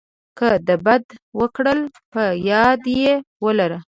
که د بد وکړل په یاد یې ولره .